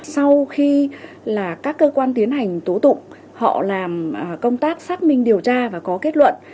sau khi là các cơ quan tiến hành tố tụng họ làm công tác xác minh điều tra và có kết luận